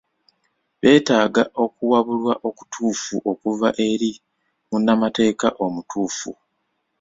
Betaaga okuwabulwa okutuufu okuva eri munnamateeka omutuufu.